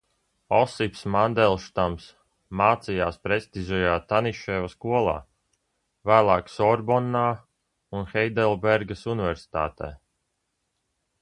Osips Mandelštams mācījās prestižajā Taniševa skolā, vēlāk Sorbonnā un Heidelbergas universitātē.